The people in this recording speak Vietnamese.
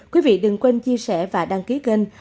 quý vị đừng quên chia sẻ và đăng ký kênh